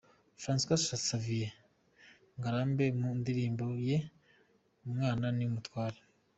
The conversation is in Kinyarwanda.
Francois Xavier Ngarambe mu ndirimbo ye ' Umwana ni umutware'.